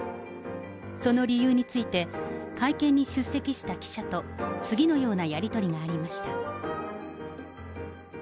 その理由について、会見に出席した記者と、次のようなやり取りがありました。